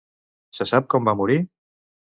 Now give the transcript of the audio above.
Se sap com va morir?